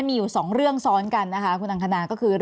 แอนตาซินเยลโรคกระเพาะอาหารท้องอืดจุกเสียดแสบร้อน